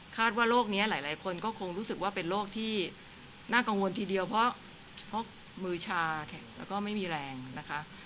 ว่าโรคนี้หลายคนก็คงรู้สึกว่าเป็นโรคที่น่ากังวลทีเดียวเพราะมือชาแข็งแล้วก็ไม่มีแรงนะคะ